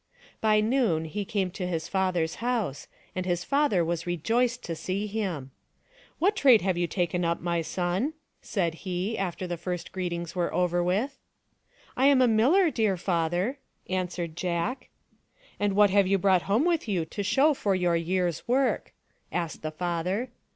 By noon he came to his father's house, and his father was rejoiced to see him. " What trade have you taken up, my son ?" said he, after the first greetings were over with. "lama miller, dear father," answered Jack. " And what have you brought home with you to show for your year's work ?" asked the father.